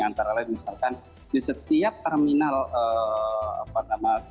antara lain misalkan di setiap terminal sekitar masjid